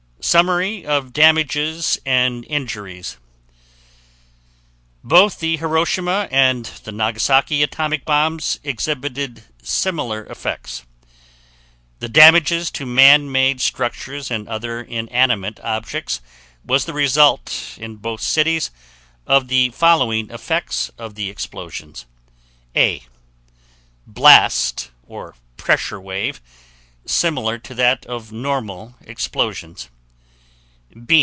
SUMMARY OF DAMAGES AND INJURIES Both the Hiroshima and the Nagasaki atomic bombs exhibited similar effects. The damages to man made structures and other inanimate objects was the result in both cities of the following effects of the explosions: A. Blast, or pressure wave, similar to that of normal explosions.